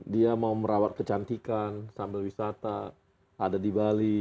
dia mau merawat kecantikan sambil wisata ada di bali